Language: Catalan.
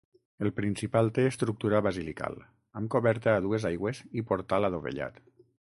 El principal té estructura basilical, amb coberta a dues aigües i portal adovellat.